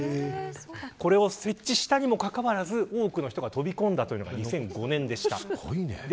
これを設置したのにもかかわらず多くの人が飛び込んだのが２００５年でした。